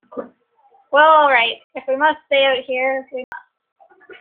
Well, all right. If we must stay out here, we must.